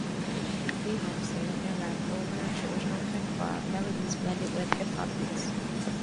Lee-Hom sang and rapped over traditional Kunqu melodies blended with hip-hop beats.